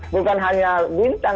bukan hanya bintang